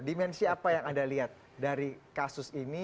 dimensi apa yang anda lihat dari kasus ini